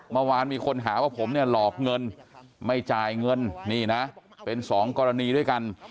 เมื่อวานมีคนหาว่าผมเนี่ยหลอกเงินไม่จ่ายเงินนี่นะเป็นสองกรณีด้วยกัน